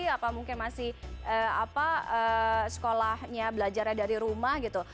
apa mungkin masih sekolahnya belajarnya dari rumah gitu